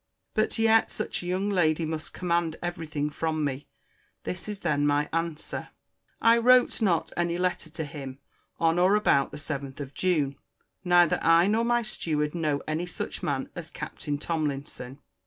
But yet such a young lady must command every thing from me. This then is my answer: I wrote not any letter to him on or about the 7th of June. Neither I nor my steward know any such man as Captain Tomlinson.